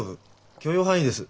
許容範囲です。